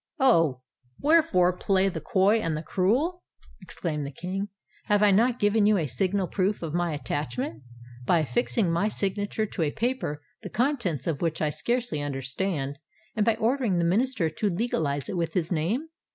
"Oh! wherefore play the coy and the cruel?" exclaimed the King. "Have I not given you a signal proof of my attachment, by affixing my signature to a paper the contents of which I scarcely understand, and by ordering the Minister to legalize it with his name?